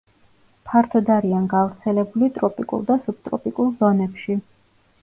ფართოდ არიან გავრცელებული ტროპიკულ და სუბტროპიკულ ზონებში.